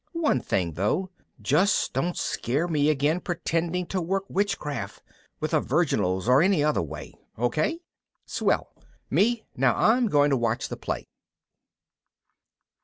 _ One thing though: just don't scare me again pretending to work witchcraft with a virginals or any other way. Okay? Swell. _Me, now, I'm going to watch the play.